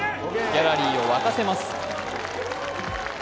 ギャラリーを沸かせます。